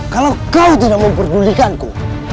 kalau kau tidak memperdulikanku